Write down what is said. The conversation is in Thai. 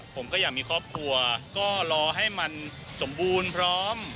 ผมก็อยากมีครอบครัวก็รอให้มันสมบูรณ์พร้อม